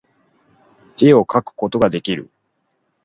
絵描くことができる